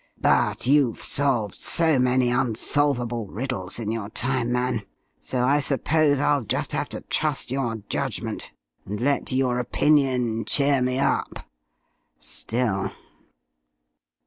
"But you've solved so many unsolvable riddles in your time, man, so I suppose I'll just have to trust your judgment, and let your opinion cheer me up. Still....